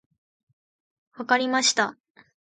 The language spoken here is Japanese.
分かりました。